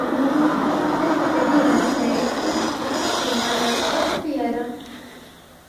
.لست كبيرا بما يكفي لتحصل علي رخصة قيادة